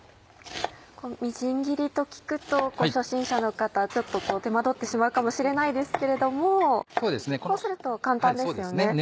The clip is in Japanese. みじん切りと聞くと初心者の方ちょっと手間取ってしまうかもしれないですけれどもこうすると簡単ですよね。